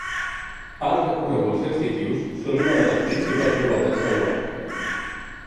Els recorreguts sensitius són una de les principals novetats d’enguany.